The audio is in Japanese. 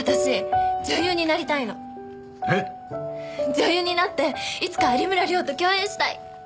女優になっていつか有村亮と共演したい！